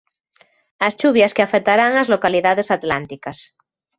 As chuvias que afectarán as localidades atlánticas.